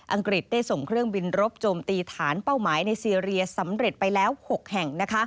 กฤษได้ส่งเครื่องบินรบโจมตีฐานเป้าหมายในซีเรียสำเร็จไปแล้ว๖แห่ง